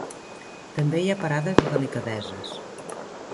També hi ha parades de delicadeses.